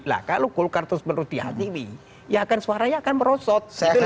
nah kalau golkar terus menurut di hati ini ya akan suaranya akan merosot